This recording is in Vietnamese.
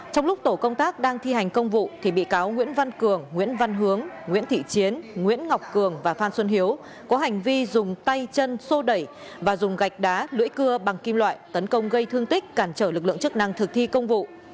trong lúc tổ công tác đang thi hành công vụ thì bị cáo nguyễn văn cường nguyễn văn hướng nguyễn thị chiến nguyễn ngọc cường và phan xuân hiếu có hành vi dùng tay chân sô đẩy và dùng gạch đá lưỡi cưa bằng kim loại tấn công gây thương tích cản trở lực lượng chức năng thực thi công vụ